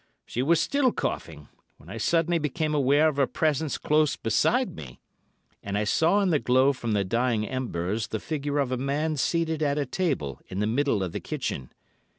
She was still coughing, when I suddenly became aware of a presence close beside me, and I saw in the glow from the dying embers the figure of a man seated at a table in the middle of the kitchen.